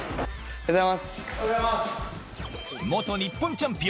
おはようございます。